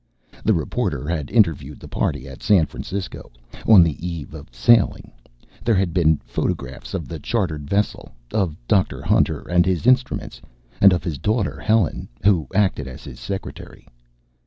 The reporter had interviewed the party at San Francisco, on the eve of sailing. There had been photographs of the chartered vessel, of Dr. Hunter and his instruments, and of his daughter, Helen, who acted as his secretary.